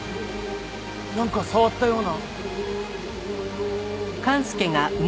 なんか触ったような。